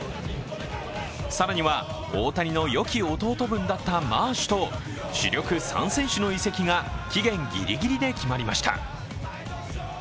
更には、大谷のよき弟分だったマーシュと、主力３選手の移籍が期限ぎりぎりで決まりました。